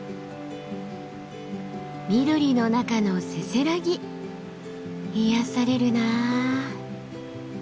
緑の中のせせらぎ癒やされるなあ。